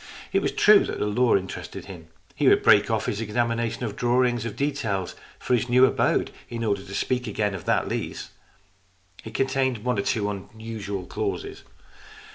It was true that the law interested him. He would break off his examina tion of drawings of details for his new abode, in order to speak again of that lease. It contained one or two unusual clauses.